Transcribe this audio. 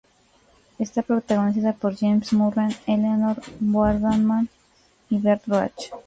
Está protagonizada por James Murray, Eleanor Boardman y Bert Roach.